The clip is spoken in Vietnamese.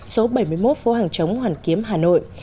số bảy mươi một phố hàng chống hoàn kiếm hà nội